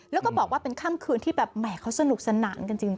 แล้วก็บอกว่าเป็นค่ำคืนที่แบบแหมเขาสนุกสนานกันจริง